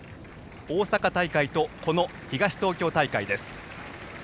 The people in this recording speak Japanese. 大阪大会と、この東東京大会です。